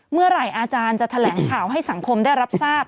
เมื่อไหร่อาจารย์จะแถลงข่าวให้สังคมได้รับทราบ